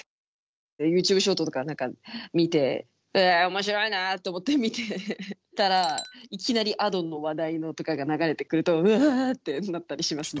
ＹｏｕＴｕｂｅショートとか何か見て「うわ面白いな」と思って見てたらいきなり「Ａｄｏの話題の」とかが流れてくると「うわ！」ってなったりしますね。